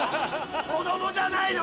子供じゃないの？